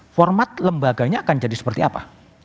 format lembaganya akan jadi seperti apa